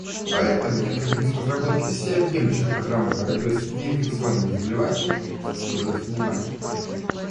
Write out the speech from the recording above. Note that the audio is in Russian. Поэтому необходимость разработки всеобъемлющих программ борьбы с неинфекционными заболеваниями заслуживает внимания.